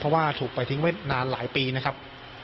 เพราะว่าถูกไปทิ้งไว้นานหลายปีนะครับ